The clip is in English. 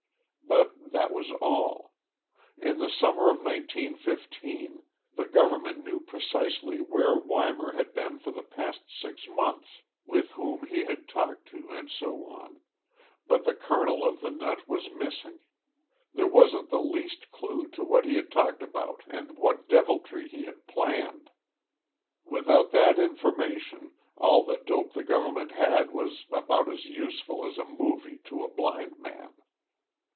But that was all. In the summer of 1915 the government knew precisely where Weimar had been for the past six months, with whom he had talked, and so on but the kernel of the nut was missing. There wasn't the least clue to what he had talked about and what deviltry he had planned! Without that information, all the dope the government had was about as useful as a movie to a blind man.